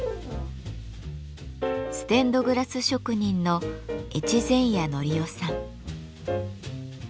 ステンドグラス職人の越前谷典生さん。